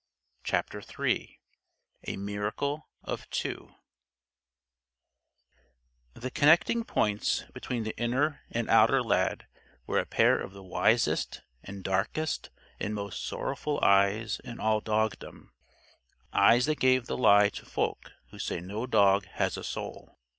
CHAPTER III A MIRACLE OF TWO The connecting points between the inner and outer Lad were a pair of the wisest and darkest and most sorrowful eyes in all dogdom eyes that gave the lie to folk who say no dog has a soul.